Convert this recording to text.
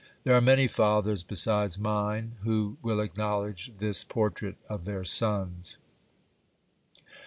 There are many fathers besides mine, who will acknowledge this por trait of their sons.